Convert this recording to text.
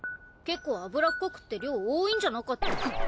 結構脂っこくって量多いんじゃなかっ。